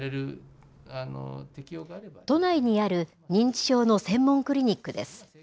都内にある認知症の専門クリニックです。